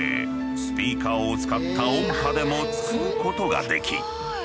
スピーカーを使った音波でも作ることができ。